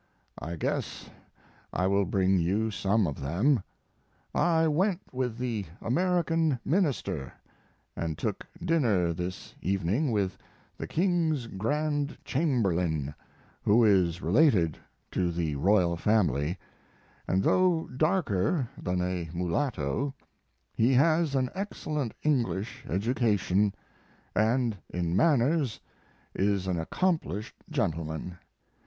I guess I will bring you some of them. I went with the American Minister and took dinner this evening with the King's Grand Chamberlain, who is related to the royal family, and though darker than a mulatto he has an excellent English education, and in manners is an accomplished gentleman.